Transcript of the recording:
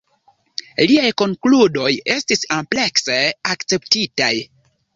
Liaj konkludoj estis amplekse akceptitaj.